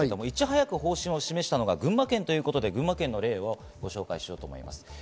いち早く、方針を示したのが群馬県ということで、群馬県の例をご紹介します。